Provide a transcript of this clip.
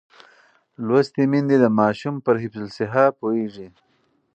لوستې میندې د ماشوم پر حفظ الصحه پوهېږي.